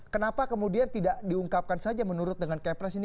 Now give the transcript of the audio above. kenapa kemudian tidak diungkapkan saja menurut dengan kepres ini